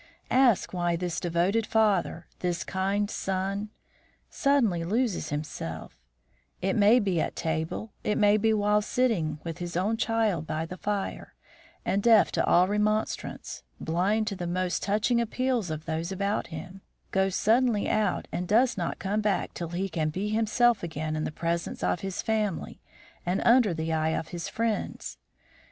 Ask why this devoted father, this kind son, suddenly loses himself, it may be at table, it may be while sitting with his own child by the fire, and, deaf to all remonstrance, blind to the most touching appeals of those about him, goes suddenly out and does not come back till he can be himself again in the presence of his family and under the eye of his friends.